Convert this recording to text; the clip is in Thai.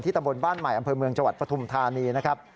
ตำบลบ้านใหม่อำเภอเมืองจังหวัดปฐุมธานีนะครับ